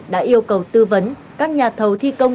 đã yêu cầu tư vấn các nhà thầu thi công